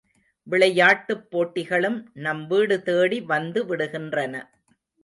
விளையாட்டுப் பொருள்களும் நம் வீடு தேடி வந்து விடுகின்றன.